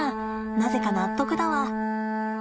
なぜか納得だわ。